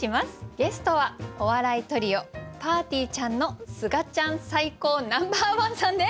ゲストはお笑いトリオぱーてぃーちゃんのすがちゃん最高Ｎｏ．１さんです。